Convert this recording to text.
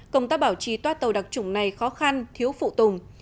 công tác bảo trì toa tàu đặc trùng này khó khăn thiếu phụ tùng